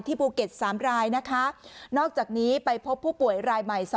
ภูเก็ต๓รายนะคะนอกจากนี้ไปพบผู้ป่วยรายใหม่๒